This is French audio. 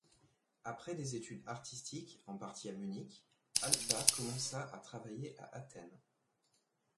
Après des études artistiques, en partie à Munich, Halepas commença à travailler à Athènes.